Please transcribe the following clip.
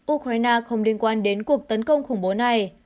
ukraine không liên quan đến cuộc tấn công khủng bố này